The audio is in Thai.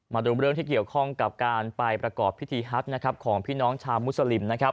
มาดูเรื่องที่เกี่ยวข้องกับการไปประกอบพิธีฮัตนะครับของพี่น้องชาวมุสลิมนะครับ